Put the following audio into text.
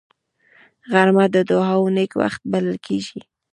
غرمه د دعاو نېک وخت بلل کېږي